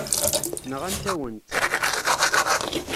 Nɣant-awen-tt.